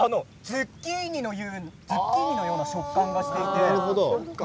ズッキーニのような食感がしていて。